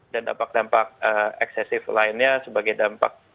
dan dampak dampak eksesif lainnya sebagai dampak